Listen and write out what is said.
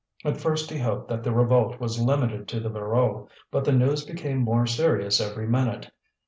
At first he hoped that the revolt was limited to the Voreux; but the news became more serious every minute.